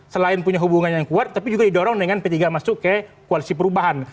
selain punya hubungan yang kuat tapi juga didorong dengan p tiga masuk ke koalisi perubahan